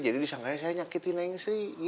jadi disangkanya saya nyakitin neng sri